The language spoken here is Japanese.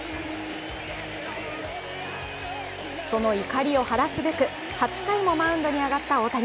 その怒りを晴らすべく、８回もマウンドに上がった大谷。